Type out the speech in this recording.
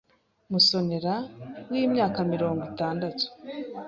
Musonera w’imyaka mirongo itandatu